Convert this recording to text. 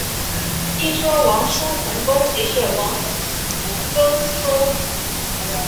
一说王叔桓公即是王孙苏。